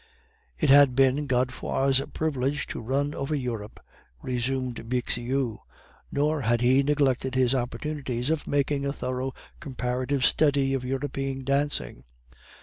"It had been Godefroid's privilege to run over Europe," resumed Bixiou, "nor had he neglected his opportunities of making a thorough comparative study of European dancing.